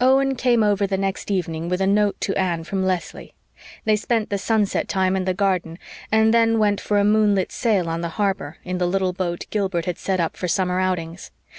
Owen Ford came over the next evening with a note to Anne from Leslie; they spent the sunset time in the garden and then went for a moonlit sail on the harbor, in the little boat Gilbert had set up for summer outings.